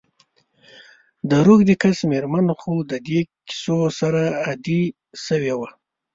د روږدې کس میرمن خو د دي کیسو سره عادي سوي وه.